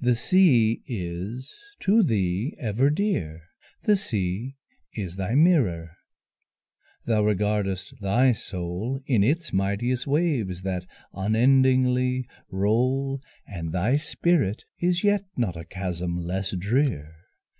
the sea is to thee ever dear! The sea is thy mirror, thou regardest thy soul In its mighteous waves that unendingly roll, And thy spirit is yet not a chasm less drear.